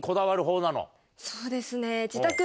そうですね。